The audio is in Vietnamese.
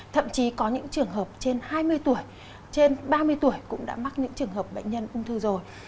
thậm chí có những trường hợp trên hai mươi tuổi trên ba mươi tuổi cũng đã mắc những trường hợp bệnh nhân ung thư rồi